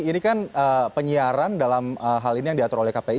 ini kan penyiaran dalam hal ini yang diatur oleh kpi